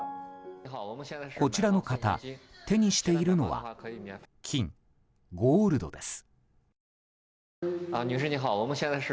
こちらの方、手にしているのは金、ゴールドです。